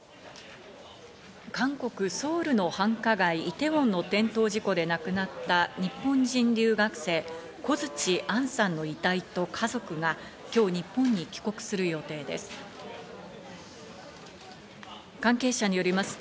韓国・ソウルの繁華街イテウォンの転倒事故で亡くなった日本人留学生・小槌杏さんの遺体と家族が今日、日本に帰国する予定です。